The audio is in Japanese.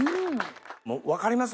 もう分かります？